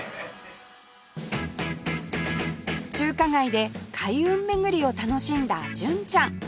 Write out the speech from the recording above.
中華街で開運巡りを楽しんだ純ちゃん